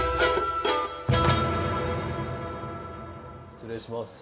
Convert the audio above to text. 失礼します。